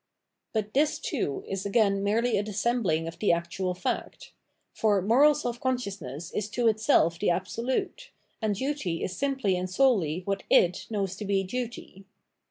But this, too, is again merely a dissembling of the actual fact. For moral self consciousness is to itseh Dissemblance 635 the absolute, and duty is simply and solely what it. knows to be duty.